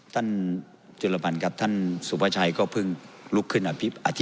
ท่านจุฬบัญครับท่านสุภาชัยก็เพิ่งลุกขึ้นอธิบาย